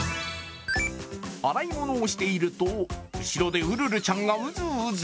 洗い物をしていると、後ろでウルルちゃんがウズウズ。